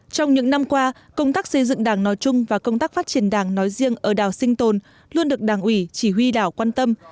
trong những năm qua công tác xây dựng đảng nói chung và công tác phát triển đảng nói riêng ở đảo sinh tồn luôn được đảng ủy chỉ huy đảo quan tâm